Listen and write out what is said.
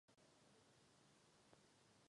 Dětství prožil se svým otcem v Kalifornii.